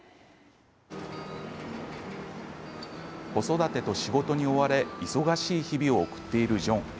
子育てと仕事に追われ忙しい日々を送っているジョン。